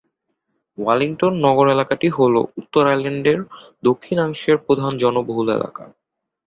Wellington নগর এলাকাটি হল উত্তর আইল্যান্ডের দক্ষিণাংশের প্রধান জনবহুল এলাকা।